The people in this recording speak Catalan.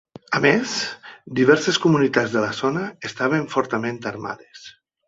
A més, diverses comunitats de la zona estaven fortament armades.